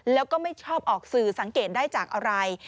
แล้วก็ไม่ชอบออกสื่อสังเกตได้จากอะไร